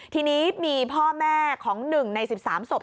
ทีนี้มีพ่อแม่ของ๑ใน๑๓ศพ